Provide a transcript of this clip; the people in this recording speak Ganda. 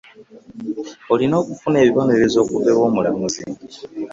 Olina okufuna ekibonerezo okuva ew'omulamuzi.